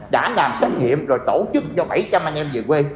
đã làm xét nghiệm rồi tổ chức cho bảy trăm linh anh em về quê